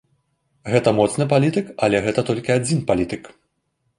Гэта моцны палітык, але гэта толькі адзін палітык.